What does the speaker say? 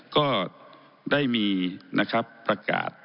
ก็ได้มีประกาศ